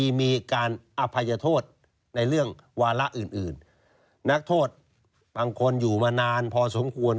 มีการอภัยโทษในเรื่องวาระอื่นอื่นนักโทษบางคนอยู่มานานพอสมควร